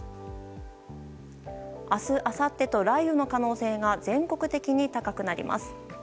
明日あさってと、雷雨の可能性が全国的に高くなります。